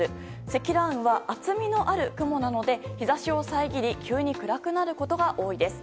積乱雲は厚みのある雲なので日差しを遮り急に暗くなることが多いです。